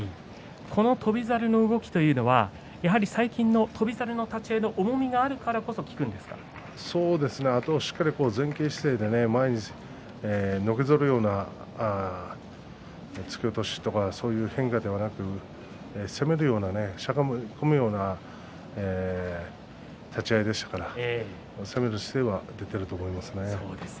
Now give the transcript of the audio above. この翔猿の動きというのは最近の翔猿の重みがあるからこそしっかり前傾姿勢でねのけぞるような突き落としとかそういった変化ではなくて攻めるような、しゃがみ込むような立ち合いでしたから攻める姿勢が出ていると思います。